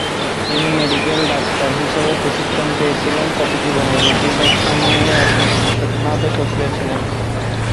তিনি medical doctor হিসাবে প্রশিক্ষণ পেয়েছিলেন, তবে জীবনের বেশিরভাগ সময়ই রাজনৈতিকভাবে সক্রিয় ছিলেন।